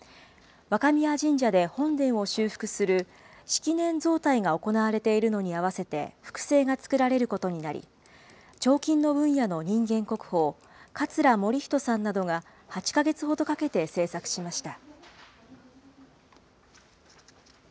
若宮神社で本殿を修復する式年造替が行われているのに合わせて複製が作られることになり、彫金の分野の人間国宝、桂盛仁さんなどが、８か月ほどかけて製作しました。